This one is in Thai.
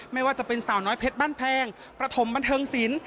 ไม่ว่าจะเป็นสาวน้อยเพชรบ้านแพงประถมบันเทิงศิลป